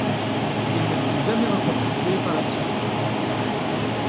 Il ne fut jamais reconstitué par la suite.